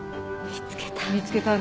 見つけた。